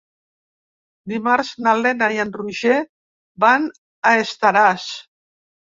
Dimarts na Lena i en Roger van a Estaràs.